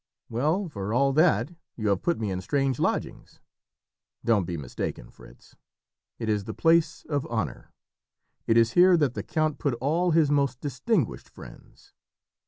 "Well, for all that, you have put me in strange lodgings." "Don't be mistaken, Fritz; it is the place of honour. It is here that the count put all his most distinguished friends.